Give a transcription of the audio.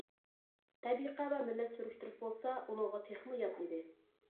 تەبىقە ۋە مىللەت سۈرۈشتۈرۈش بولسا ئۇنىڭغا تېخىمۇ يات ئىدى.